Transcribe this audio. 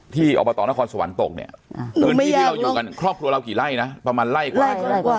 ที่อบตนครสวรรค์ตกเนี้ยครอบครัวเรากี่ไร่นะประมาณไร่กว่า